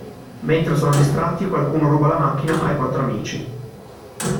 Mentre sono distratti qualcuno ruba la macchina ai quattro amici.